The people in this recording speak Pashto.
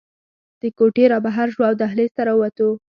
له کوټې رابهر شوو او دهلېز ته راووتو.